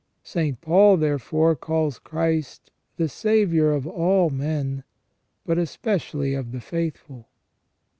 "* St. Paul, therefore, calls Christ "the Saviour of all men, but especially of the faithful